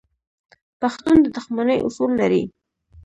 پښتون د دښمنۍ اصول لري.